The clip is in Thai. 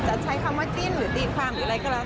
จะใช้คำว่าจิ้นเตรียมวี่หรือไม่